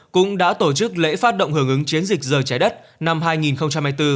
cũng đã tổ chức lễ phát động hưởng ứng chiến dịch giờ trái đất năm hai nghìn hai mươi bốn